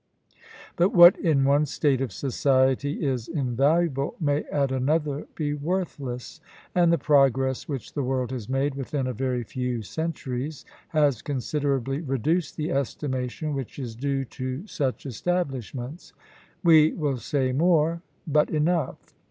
But what in one state of society is invaluable, may at another be worthless; and the progress which the world has made within a very few centuries has considerably reduced the estimation which is due to such establishments. We will say more " but enough!